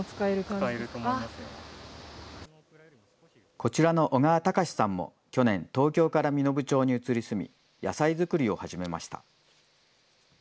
こちらの小川貴志さんも、去年、東京から身延町に移り住み、野菜作りを始めました。